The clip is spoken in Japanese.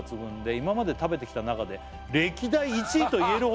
「今まで食べてきた中で歴代１位と言えるほどの」